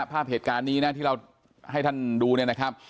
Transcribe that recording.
ภาพเหตุการณ์นี้นะที่เราให้ท่านดูเนี่ยนะครับ